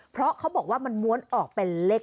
เพราะเขาบอกว่ามันม้วนออกเป็นเลข